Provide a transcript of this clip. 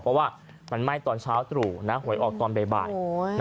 เพราะว่ามันไหม้ตอนเช้าตรู่นะหวยออกตอนบ่าย